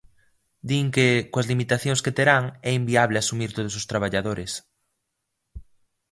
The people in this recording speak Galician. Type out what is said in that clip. Din que, coas limitacións que terán, é inviable asumir todos os traballadores.